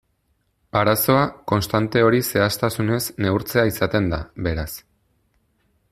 Arazoa, konstante hori zehaztasunez neurtzea izaten da, beraz.